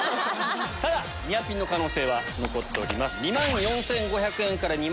ただニアピンの可能性は残っております。